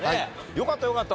よかったよかった。